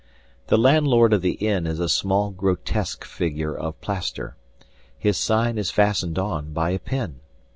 The landlord of the inn is a small grotesque figure of plaster; his sign is fastened on by a pin.